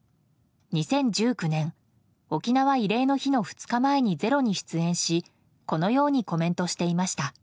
２０１９年沖縄慰霊の日の２日前に「ｚｅｒｏ」に出演しこのようにコメントしていました。